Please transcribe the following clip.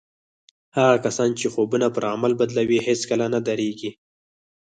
هغه کسان چې خوبونه پر عمل بدلوي هېڅکله نه درېږي